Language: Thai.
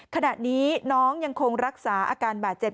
ขณะนี้น้องยังคงรักษาอาการบาดเจ็บ